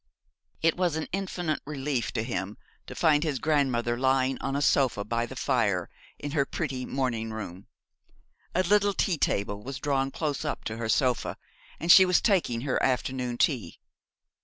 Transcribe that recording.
It was an infinite relief to him to find his grandmother lying on a sofa by the fire in her pretty morning room. A little tea table was drawn close up to her sofa, and she was taking her afternoon tea.